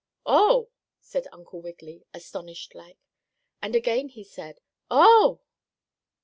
"Oh!" said Uncle Wiggily, astonished like. And again he said: "Oh!"